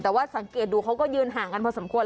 แต่ว่าสังเกตดูเขาก็ยืนห่างกันพอสมควร